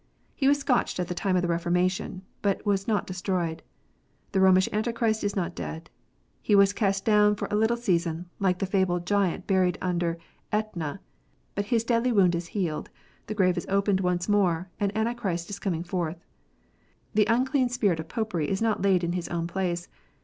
He was scotched at the time of the Reformation, but was not destroyed. The Romish Antichrist is not dead. He was cast down for a little season, like the fabled giant buried under /Etna, but his deadly wound is healed, the grave is opening once more, and Antichrist is com ing forth. The unclean spirit of Popery is not laid in his own place.